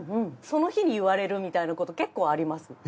その日に言われるみたいなこと結構あります。